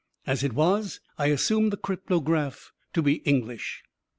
As it was, I assumed the cryptograph to be English.